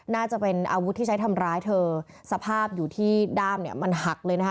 น่าจะเป็นอาวุธที่ใช้ทำร้ายเธอสภาพอยู่ที่ด้ามเนี่ยมันหักเลยนะคะ